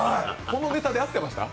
このネタで合ってました？